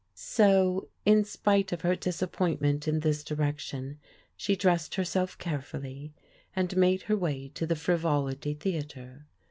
So in spite of her disappointment in this direction she dressed herself carefully and made her way to the Fri volity Theatre.